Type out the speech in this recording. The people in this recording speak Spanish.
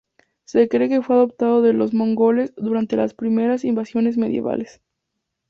Se cree que fue adoptado de los mongoles durante las primeras invasiones medievales.